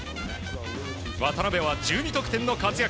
渡邊は１２得点の活躍。